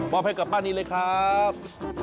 พอไปกับป้านีเลยครับ